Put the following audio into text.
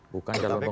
bukan kalau penghuni